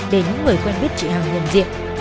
để những người quen biết chị hằng nhận diện